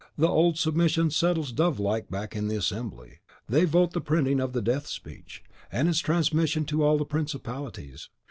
The old submission settles dovelike back in the assembly! They vote the printing of the Death speech, and its transmission to all the municipalities.